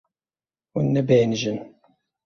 Hûn nebêhnijîn.